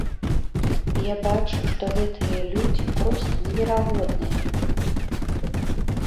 Я бачу, што гэтыя людзі проста неверагодныя!